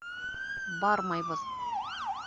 — Бармайбыҙ!